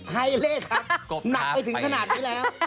ให้เลขครับหนักไปถึงขนาดนี้แล้ว